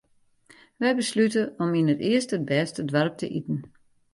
Wy beslute om yn it earste it bêste doarp te iten.